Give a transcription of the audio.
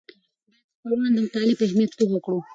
باید خپلوان د مطالعې په اهمیت پوه کړو.